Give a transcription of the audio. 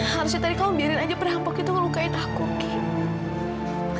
harusnya tadi kamu biarin aja perampok itu ngelukain aku gitu